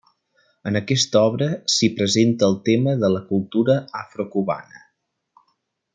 En aquesta obra s'hi presenta el tema de la cultura afro-cubana.